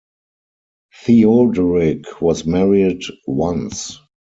Theoderic was married once.